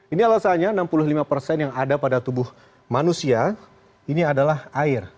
ini alasannya enam puluh lima persen yang ada pada tubuh manusia ini adalah air